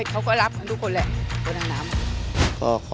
เอาเลยละจะบวชกลับ